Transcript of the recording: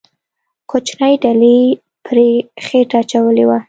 کوچنۍ ډلې پرې خېټه اچولې وه.